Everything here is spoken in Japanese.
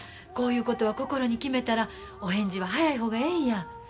こういうことは心に決めたらお返事は早い方がええんや。